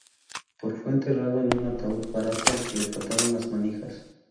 Poe fue enterrado en un ataúd barato al que le faltaban las manijas.